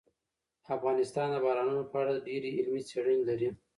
افغانستان د بارانونو په اړه ډېرې علمي څېړنې لري.